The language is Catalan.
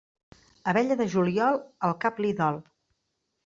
Abella de juliol, el cap li dol.